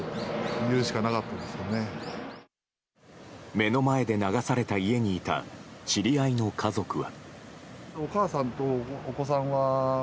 目の前で流された家にいた知り合いの家族は。